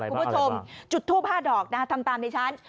คุณผู้ชมจุดทูป๕ดอกนะทำตามดิฉัน